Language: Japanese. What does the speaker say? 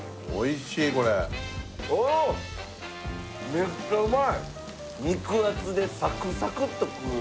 めっちゃうまい。